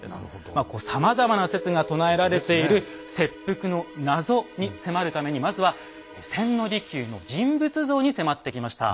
まあこうさまざまな説が唱えられている切腹の謎に迫るためにまずは千利休の人物像に迫ってきました。